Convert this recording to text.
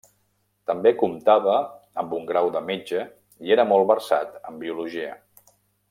També comptava amb un grau de metge i era molt versat en biologia.